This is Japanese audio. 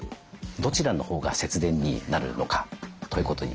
どちらのほうが節電になるのかということにお答え頂けますか。